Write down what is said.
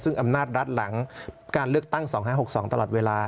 ซึ่งอำนาจรัฐหลังการเลือกตั้ง๒๕๖๒ตลอดเวลา